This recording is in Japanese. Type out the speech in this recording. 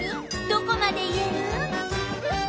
どこまで言える？